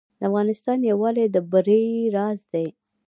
د افغانستان یووالی د بری راز دی